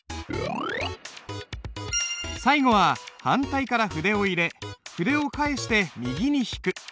最後は反対から筆を入れ筆を返して右に引く。